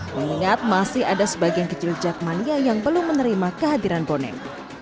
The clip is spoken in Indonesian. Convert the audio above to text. mengingat masih ada sebagian kecil jakmania yang belum menerima kehadiran bonek